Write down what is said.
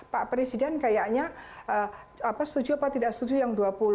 pak presiden kayaknya setuju apa tidak setuju yang dua puluh